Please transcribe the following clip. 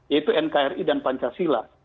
yaitu nkri dan pancasila